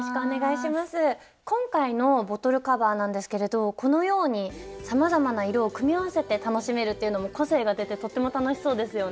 今回のボトルカバーなんですけれどこのようにさまざまな色を組み合わせて楽しめるっていうのも個性が出てとっても楽しそうですよね。